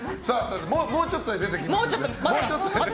もうちょっとで出てきます。